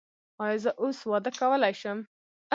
ایا زه اوس واده کولی شم؟